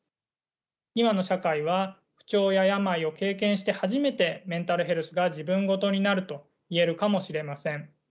今の社会は不調や病を経験して初めてメンタルヘルスが自分事になると言えるかもしれません。